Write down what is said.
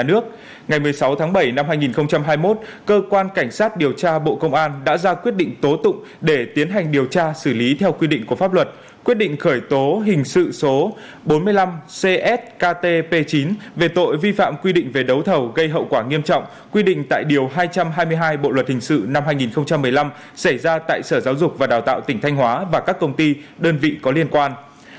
ngày một mươi sáu tháng bảy năm hai nghìn hai mươi một cơ quan cảnh sát điều tra bộ công an đã ra quyết định tố tụng để tiến hành điều tra xử lý theo quy định của pháp luật quyết định khởi tố hình sự số bốn mươi năm csktp chín về tội vi phạm quy định về đấu thầu gây hậu quả nghiêm trọng quy định tại điều hai trăm hai mươi hai bộ luật hình sự năm hai nghìn một mươi năm xảy ra tại sở giáo dục và đào tạo tỉnh thanh hóa và các công ty đơn vị có liên quan